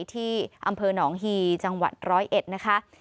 ที่อำเภอหนองฮีจังหวัดร้อยเอ็ดนะคะ